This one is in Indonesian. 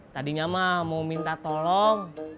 tadinya mah mau minta tolong